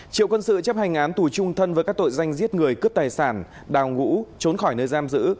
triệu quân sự chấp hành án tù trung thân với các tội danh giết người cướp tài sản đào ngũ trốn khỏi nơi giam giữ